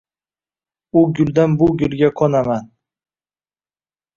U guldan bu gulga qo`naman